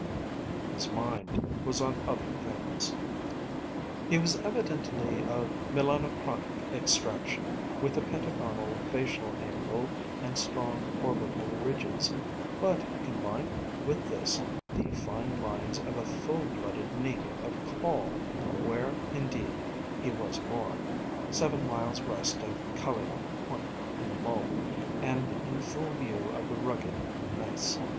His mind was on other things. He was evidently of Melanochronic extraction, with the pentagonal facial angle and strong obital ridges, but he combined with this the fine lines of a full blooded native of Coll, where, indeed, he was born, seven miles west of Caliach Point, in Mull, and in full view of the rugged gneiss.